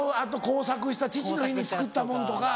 工作した父の日に作ったもんとか。